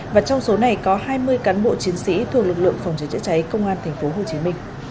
và trong số này có hai mươi cán bộ chiến sĩ thuộc lực lượng phòng cháy chữa cháy công an tp hcm